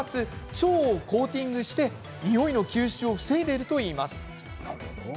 腸をコーティングしてにおいの吸収を防いでいるといいます。